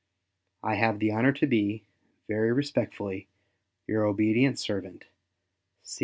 I have the honor to be, very respectfully, your obedient servant, C.